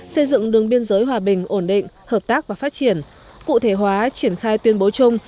xây dựng đường biên giới hòa bình ổn định hợp tác và phát triển cụ thể hóa triển khai tuyên bố chung